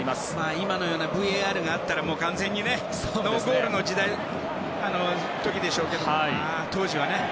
今のようなＶＡＲがあったら完全にノーゴールの時でしょうけども当時は。